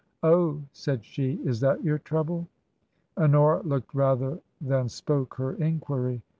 " Oh," said she, " is that your trouble ?" Honora looked rather than spoke her inquiry.